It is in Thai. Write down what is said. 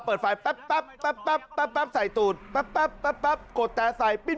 แปปแปปแปปแปปใส่ตูดแปปแปปแปปโกสแตรกใส่ปีน